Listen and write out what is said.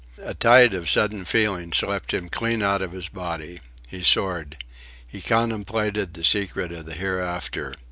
A tide of sudden feeling swept him clean out of his body. He soared. He contemplated the secret of the hereafter.